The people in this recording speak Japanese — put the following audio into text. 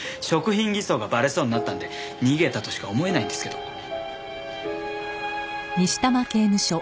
食品偽装がバレそうになったんで逃げたとしか思えないんですけど。